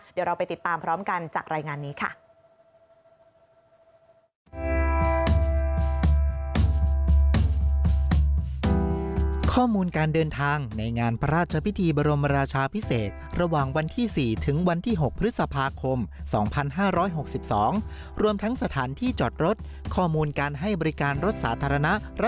เดี๋ยวเราไปติดตามพร้อมกันจากรายงานนี้ค่ะ